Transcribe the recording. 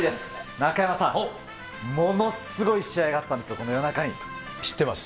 中山さん、ものすごい試合だったんですよ、知ってます。